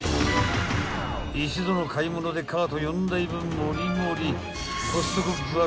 ［一度の買い物でカート４台分盛り盛り］